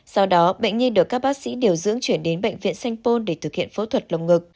sau đó bệnh nhân được các bác sĩ điều dưỡng chuyển đến bệnh viện sanh pôn để thực hiện phẫu thuật lồng ngực